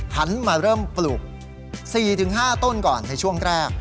หันมาเริ่มปลูก๔๕ต้นก่อนในช่วงแรก